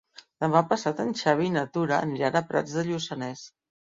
Demà passat en Xavi i na Tura aniran a Prats de Lluçanès.